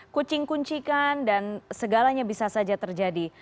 kucing kuncikan dan segalanya bisa saja terjadi